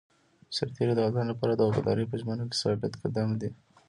سرتېری د وطن لپاره د وفادارۍ په ژمنه کې ثابت قدم دی.